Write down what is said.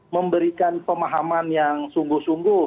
memberikan pemahaman yang sungguh sungguh